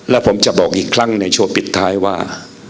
และผมจะบอกอีกครั้งในชัวร์ปิดท้ายว่า